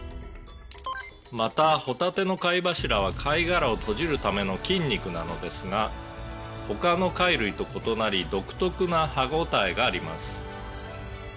「またホタテの貝柱は貝殻を閉じるための筋肉なのですが他の貝類と異なり独特な歯応えがあります」